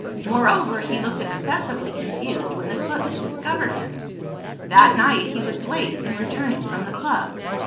Moreover, he looked excessively confused when the footman discovered him. That night, he was late in returning from the club.